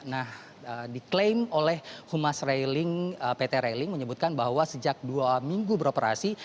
nah diklaim oleh humas pt railing menyebutkan bahwa sejak dua minggu beroperasi